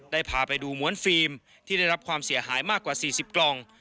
พาไปดูม้วนฟิล์มที่ได้รับความเสียหายมากกว่า๔๐กล่อง